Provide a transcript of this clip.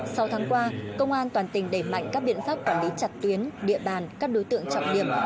sau tháng qua công an toàn tỉnh đẩy mạnh các biện pháp quản lý chặt tuyến địa bàn các đối tượng trọng điểm